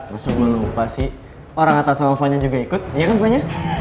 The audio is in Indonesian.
masuk gue lupa sih orang atta sama vanya juga ikut iya kan vanya